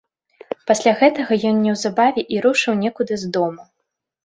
Пасля гэтага ён неўзабаве і рушыў некуды з дому.